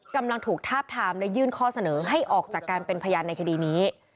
กำลังถูกทาบทามและยื่นข้อเสนอให้ออกจากการเป็นพยานในคดีนี้